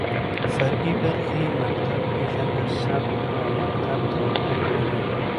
فرعي برخې يې مکتب پېژنده، سبک او مکتب تواپېر دى.